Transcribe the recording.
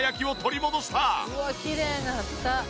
「きれいになった」